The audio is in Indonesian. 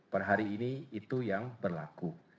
per hari ini itu yang berlaku